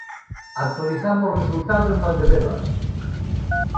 Actualizamos resultado en Valdebebas.